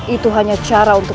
itu hanya cara untuk